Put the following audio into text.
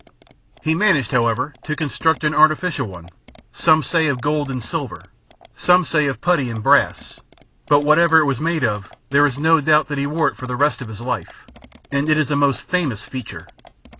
He managed however to construct an artificial one, some say of gold and silver, some say of putty and brass; but whatever it was made of there is no doubt that he wore it for the rest of his life, and it is a most famous feature.